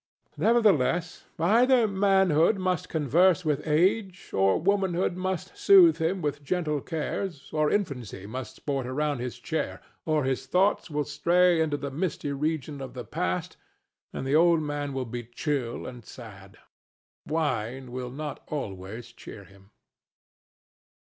Nevertheless, either manhood must converse with age, or womanhood must soothe him with gentle cares, or infancy must sport around his chair, or his thoughts will stray into the misty region of the past and the old man be chill and sad. Wine will not always cheer him.